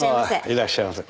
いらっしゃいませ。